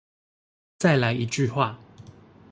再來一句話